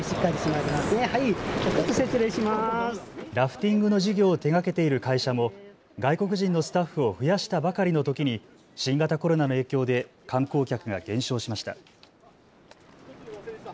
ラフティングの事業を手がけている会社も外国人のスタッフを増やしたばかりのときに新型コロナの影響で観光客が減少しました。